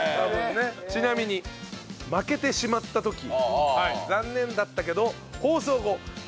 ちなみに負けてしまった時残念だったけど。